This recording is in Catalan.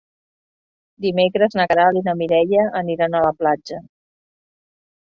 Dimecres na Queralt i na Mireia aniran a la platja.